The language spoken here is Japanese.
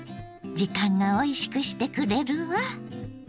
時間がおいしくしてくれるわ。